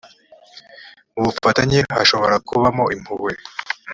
mu bufatanye hashobora kubamo impuhwe